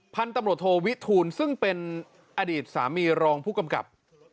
พันธุ์ตำรวจโทวิทูลซึ่งเป็นอดีตสามีรองผู้กำกับ